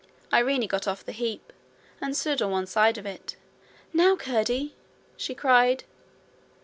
Irene got off the heap, and stood on one side of it. 'Now, Curdie!' she cried.